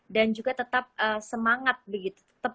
dan juga tetap semangat begitu